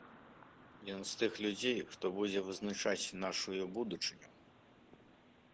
Ён з тых людзей, хто будзе вызначаць нашую будучыню.